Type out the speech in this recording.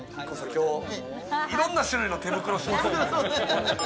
いろんな種類の手袋してますね。